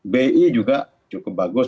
bi juga cukup bagus